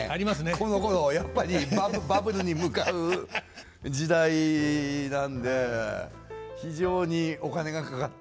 このころやっぱりバブルに向かう時代なんで非常にお金がかかった。